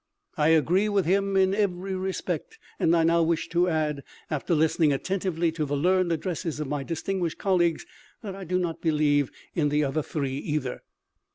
I agree with him in every respect, and I now wish to add, after listening attentively to the learned addresses of my distinguished colleagues, that I do not believe in the other three either.